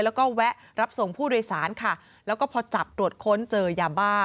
แล้วก็แวะรับส่งผู้โดยสารค่ะแล้วก็พอจับตรวจค้นเจอยาบ้า